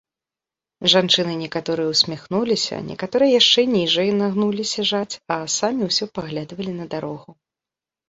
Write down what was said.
Жанчыны некаторыя ўсміхнуліся, некаторыя яшчэ ніжай нагнуліся жаць, а самі ўсё паглядалі на дарогу.